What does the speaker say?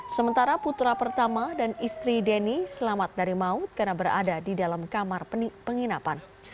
sementara putra pertama dan istri denny selamat dari maut karena berada di dalam kamar penginapan